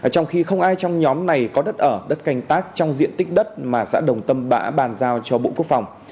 trong khi không ai trong nhóm này có đất ở đất canh tác trong diện tích đất mà xã đồng tâm đã bàn giao cho bộ quốc phòng